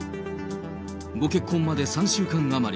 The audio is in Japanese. ご結婚まで３週間余り。